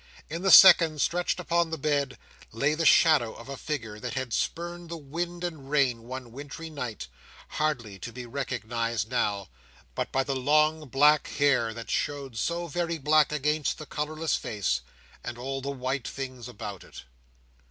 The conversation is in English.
In the second, stretched upon the bed, lay the shadow of a figure that had spurned the wind and rain, one wintry night; hardly to be recognised now, but by the long black hair that showed so very black against the colourless face, and all the white things about it.